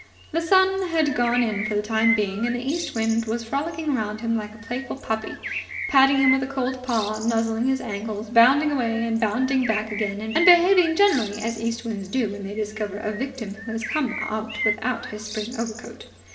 The sun had gone in for the time being, and the east wind was frolicking round him like a playful puppy, patting him with a cold paw, nuzzling his ankles, bounding away and bounding back again, and behaving generally as east winds do when they discover a victim who has come out without his spring overcoat.